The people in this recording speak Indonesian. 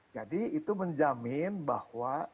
jadi itu menjamin bahwa